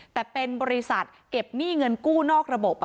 แต่เป็นบริษัทเก็บหนี้เงินกู้นอกระบบ